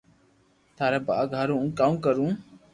ٿاري ڀاگ ھارو ھون ڪاوُ ڪارو